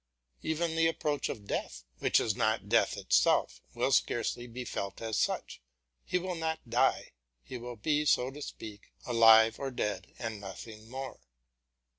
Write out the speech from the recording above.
Even the approach of death, which is not death itself, will scarcely be felt as such; he will not die, he will be, so to speak, alive or dead and nothing more.